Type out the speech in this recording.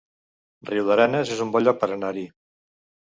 Riudarenes es un bon lloc per anar-hi